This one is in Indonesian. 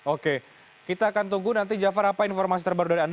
oke kita akan tunggu nanti jafar apa informasi terbaru dari anda